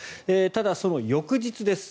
ただ、その翌日です。